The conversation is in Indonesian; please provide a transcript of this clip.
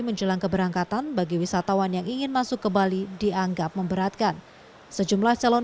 menjelang keberangkatan bagi wisatawan yang ingin masuk ke bali dianggap memberatkan sejumlah calon